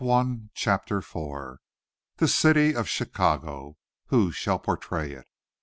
CHAPTER IV The city of Chicago who shall portray it!